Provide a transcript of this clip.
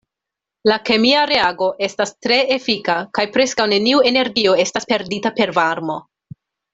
La kemia reago estas tre efika, kaj preskaŭ neniu energio estas perdita per varmo.